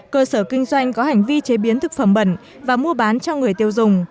cơ sở kinh doanh có hành vi chế biến thực phẩm bẩn và mua bán cho người tiêu dùng